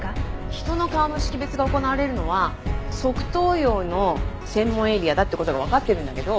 人の顔の識別が行われるのは側頭葉の専門エリアだって事がわかってるんだけど。